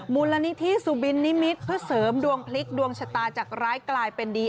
มูลนิธิสุบินนิมิตรเพื่อเสริมดวงพลิกดวงชะตาจากร้ายกลายเป็นดี